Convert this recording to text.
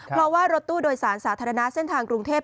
เพราะว่ารถตู้โดยศาลศาสตร์ธนาเส้นทางกรุงเทพฯ